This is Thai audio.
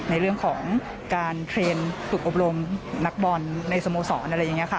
ในเรื่องของการเทรนด์ฝึกอบรมนักบอลในสโมสรอะไรอย่างนี้ค่ะ